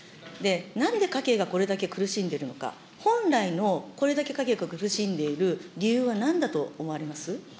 なんで家計がこれだけ苦しんでいるのか、本来のこれだけ家計が苦しんでいる理由はなんだと思われます。